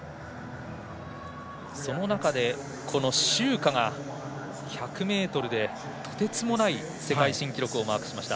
その中でこの周霞が１００ｍでとてつもない世界新記録をマークしました。